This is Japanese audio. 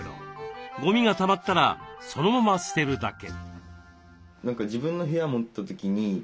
ゴミがたまったらそのまま捨てるだけ。